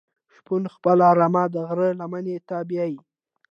شپون خپله رمه د غره لمنی ته بیایی.